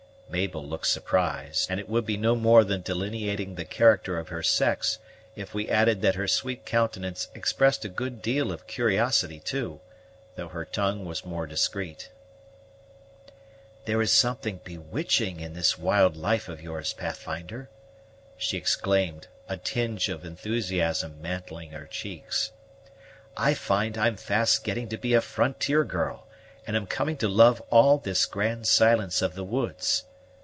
Mabel looked surprised, and it would be no more than delineating the character of her sex, if we added that her sweet countenance expressed a good deal of curiosity, too, though her tongue was more discreet. "There is something bewitching in this wild life of yours, Pathfinder," she exclaimed, a tinge of enthusiasm mantling her cheeks. "I find I'm fast getting to be a frontier girl, and am coming to love all this grand silence of the woods.